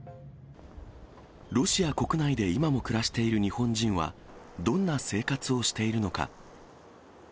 ロシア国内で今も暮らしている日本人は、どんな生活をしているのか。